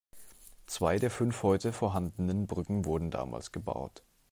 Zwei der fünf heute vorhandenen Brücken wurden damals gebaut.